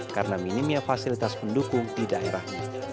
karena minimnya fasilitas pendukung di daerah